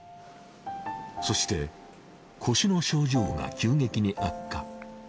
そして腰の症状が急激に悪化。